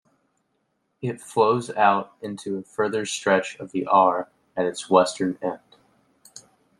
It flows out into a further stretch of the Aare at its western end.